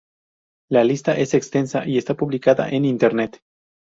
La lista es extensa y está publicada en Internet.